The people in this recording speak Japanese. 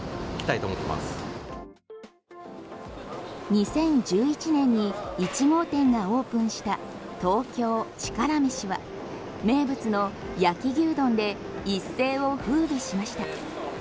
２０１１年に１号店がオープンした東京チカラめしは名物の焼き牛丼で一世を風靡しました。